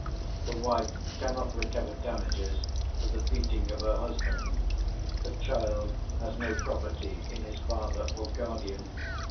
The wife cannot recover damages for the beating of her husband. The child has no property in his father or guardian.